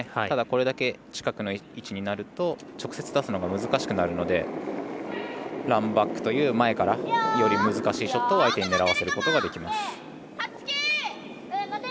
ただこれだけ近くの位置になると直接出すのが難しくなるのでランバックという前から、より難しいショットを相手に狙わせることができます。